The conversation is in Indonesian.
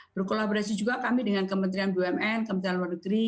berkolaborasi juga kami dengan kementerian bumn kementerian luar negeri